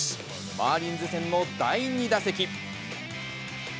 マーリンズ戦の第２打席。